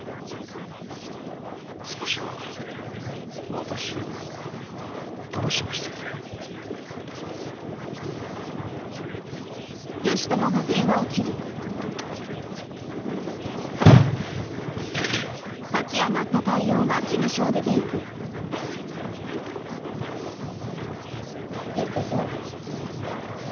少しは私を楽しませてくれよ。やっぱさ。